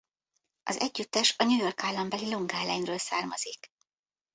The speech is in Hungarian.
Az együttes a New York állambeli Long Islandról származik.